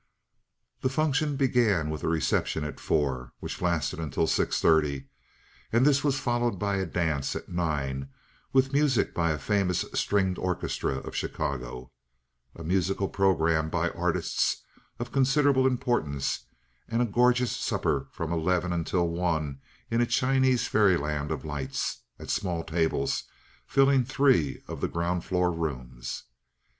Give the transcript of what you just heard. The function began with a reception at four, which lasted until six thirty, and this was followed by a dance at nine, with music by a famous stringed orchestra of Chicago, a musical programme by artists of considerable importance, and a gorgeous supper from eleven until one in a Chinese fairyland of lights, at small tables filling three of the ground floor rooms.